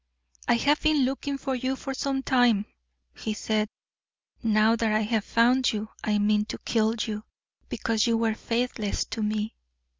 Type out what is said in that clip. "I have been looking for you for some time," he said; "now that I have found you, I mean to kill you, because you were faithless to me."